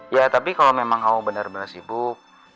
ya tapi kalau memang kamu benar benar sibuk